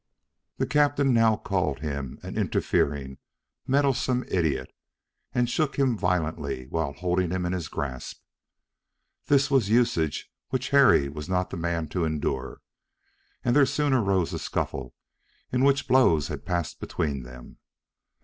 The captain now called him an interfering, meddlesome idiot, and shook him violently while holding him in his grasp. This was a usage which Harry was not the man to endure, and there soon arose a scuffle, in which blows had passed between them.